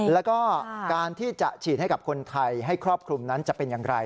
แล้วก็การที่จะฉีดให้กับคนไทยให้ครอบคลุมนั้นจะเป็นอย่างไร